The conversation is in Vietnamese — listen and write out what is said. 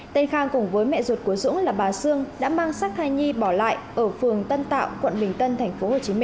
tây khang cùng với mẹ ruột của dũng là bà sương đã mang sắc thai nhi bỏ lại ở phường tân tạo quận bình tân tp hcm